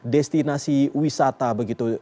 destinasi wisata begitu